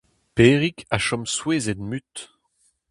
Perig a chom souezhet-mut.